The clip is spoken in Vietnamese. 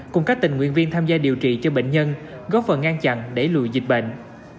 cùng các tình nguyên viên tham gia điều trị cho bệnh nhân góp phần ngang chặn để lùi dịch bệnh